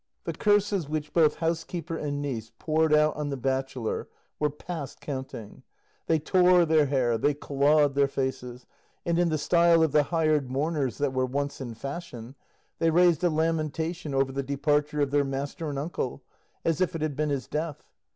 The curses which both housekeeper and niece poured out on the bachelor were past counting; they tore their hair, they clawed their faces, and in the style of the hired mourners that were once in fashion, they raised a lamentation over the departure of their master and uncle, as if it had been his death.